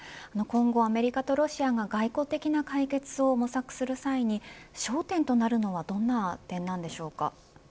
今後アメリカとロシアが外交的な解決を模索する際に焦点となるのはどんな点なんでしょうか。